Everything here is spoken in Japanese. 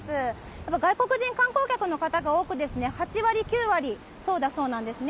やっぱり外国人観光客の方が多く、８割、９割そうだそうなんですね。